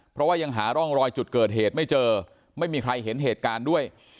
เพราะว่ายังหาร่องรอยจุดเกิดเหตุไม่เจอไม่มีใครเห็นเหตุการณ์ด้วย